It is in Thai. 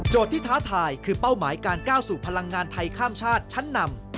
ที่ท้าทายคือเป้าหมายการก้าวสู่พลังงานไทยข้ามชาติชั้นนำ